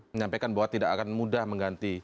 menyampaikan bahwa tidak akan mudah mengganti